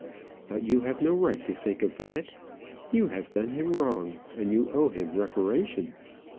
But you have no right to think of that. You have done him wrong, and you owe him reparation.